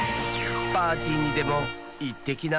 パーティーにでもいってきな。